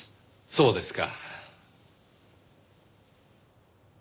そうですか。